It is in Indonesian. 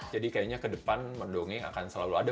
jadi kayaknya ke depan mendongeng akan selalu ada